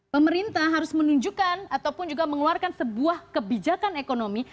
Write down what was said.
pemerintah harus menunjukkan ataupun juga mengeluarkan sebuah kebijakan ekonomi